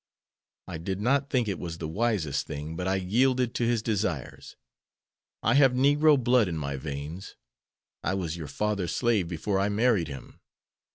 I did not think it was the wisest thing, but I yielded to his desires. I have negro blood in my veins. I was your father's slave before I married him.